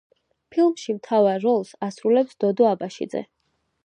ფილმში მთავარ როლს ასრულებს დოდო აბაშიძე.